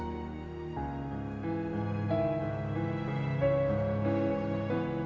iya kita selanjutnya